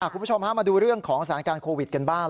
คุณผู้ชมมาดูเรื่องของสถานการณ์โควิดกันบ้าง